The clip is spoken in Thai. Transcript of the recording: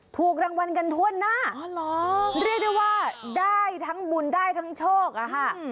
ถูกรางวัลกันทั่วหน้าเรียกได้ว่าได้ทั้งบุญได้ทั้งโชคอะค่ะ